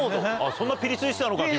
そんなピリついてたのか君。